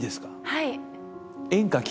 はい。